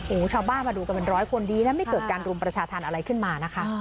โอ้โหชาวบ้านมาดูกันเป็นร้อยคนดีนะไม่เกิดการรุมประชาธรรมอะไรขึ้นมานะคะ